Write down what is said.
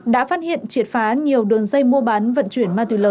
đã phát hiện triệt phá nhiều đường dây mua bán vận chuyển